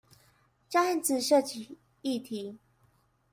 這個案子涉及議題